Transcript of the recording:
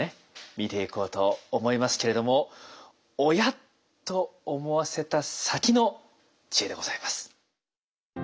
見ていこうと思いますけれども「おや？」と思わせた先の知恵でございます。